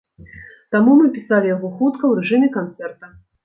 Таму мы пісалі яго хутка, у рэжыме канцэрта.